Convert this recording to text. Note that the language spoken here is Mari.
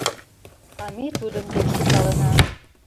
— А ме тудын дек шӱкалына.